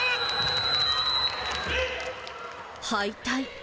敗退。